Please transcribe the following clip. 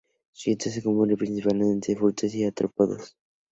Su dieta se compone principalmente de frutas y artrópodos.